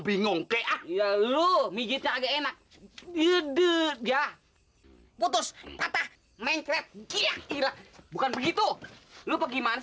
bingung kek ya lu mijitnya enak yeduh jah putus kata mengkret kira kira bukan begitu lu gimana